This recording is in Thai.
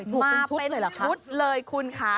โอ๋มาให้เป็นชุดเลยคุณค้า